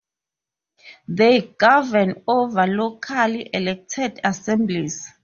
They govern over locally elected assemblies.